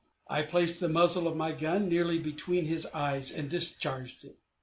I placed the muzzle of my gun nearly between his eyes and discharged it.